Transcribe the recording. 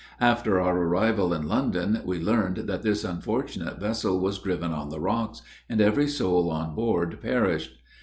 After our arrival in London, we learned that this unfortunate vessel was driven on the rocks, and every soul on board perished.